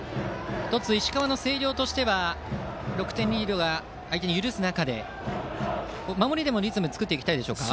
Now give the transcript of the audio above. １つ石川・星稜は６点リードを相手に許す中で、守りでもリズムを作っていきたいですか。